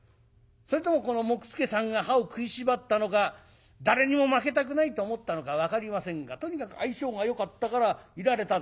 それともこの杢助さんが歯を食いしばったのか誰にも負けたくないと思ったのか分かりませんがとにかく相性がよかったからいられたんでしょう。